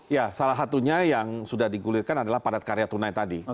ya salah satunya yang sudah digulirkan adalah padat karya tunai tadi